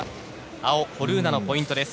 青、ホルーナのポイントです。